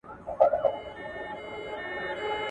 د سمندرونو ور اخوا بې ځایه سفر مه کوئ.